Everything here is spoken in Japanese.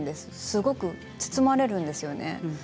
すごく包まれるんですよね。